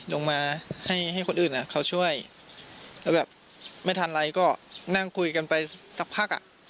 ลงมาให้ให้คนอื่นเขาช่วยแล้วแบบไม่ทันไรก็นั่งคุยกันไปสักพักอ่ะ